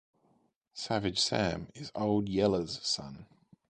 Savage Sam is Old Yeller's son.